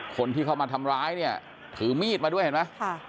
คนที่เข้ามาทำร้ายเนี่ยถือมีดมาด้วยเห็นไหม